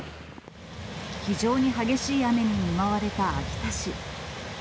非常に激しい雨に見舞われた秋田市。